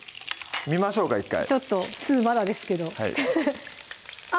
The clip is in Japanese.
見ましょうか１回ちょっと酢まだですけどあっ